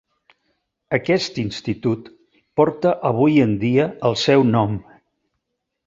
Aquest institut porta avui en dia el seu nom.